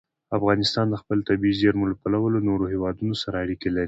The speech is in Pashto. افغانستان د خپلو طبیعي زیرمو له پلوه له نورو هېوادونو سره اړیکې لري.